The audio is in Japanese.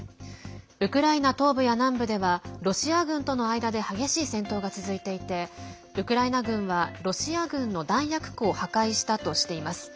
ウクライナ東部や南部ではロシア軍との間で激しい戦闘が続いていてウクライナ軍はロシア軍の弾薬庫を破壊したとしています。